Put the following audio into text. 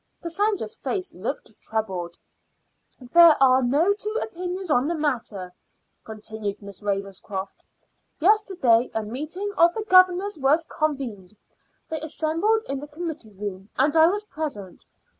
Cassandra's face looked troubled. "There are no two opinions on the matter," continued Miss Ravenscroft. "Yesterday a meeting of the governors was convened. They assembled in the committee room, and I was present.